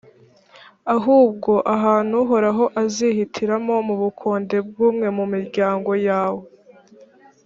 ahubwo ahantu uhoraho azihitiramo mu bukonde bw’umwe mu miryango yawe,